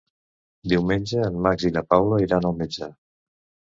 Diumenge en Max i na Paula iran al metge.